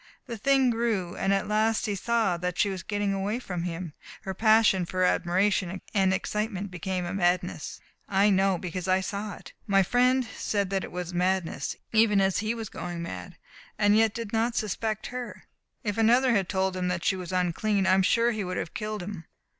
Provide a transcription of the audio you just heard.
The thing grew, and at last he saw that she was getting away from him. Her passion for admiration and excitement became a madness. I know, because I saw it. My friend said that it was madness, even as he was going mad. And yet he did not suspect her. If another had told him that she was unclean I am sure he would have killed him.